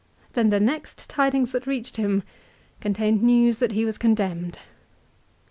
Then the next tidings that reached him contained news that he was condemned !